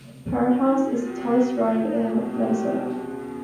Power Tower is the tallest ride in Minnesota.